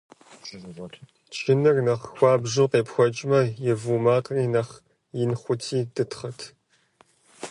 Чыныр нэхъ хуабжьу къепхуэкӀмэ, и вуу макъри нэхъ ин хъурти дытхъэрт.